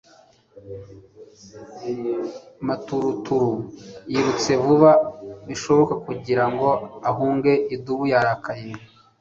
Maturuturu yirutse vuba bishoboka kugira ngo ahunge idubu yarakaye.